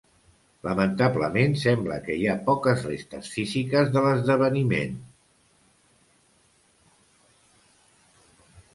Lamentablement sembla que hi ha poques restes físiques de l'esdeveniment.